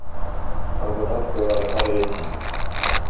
Am votat cu o oarecare reținere.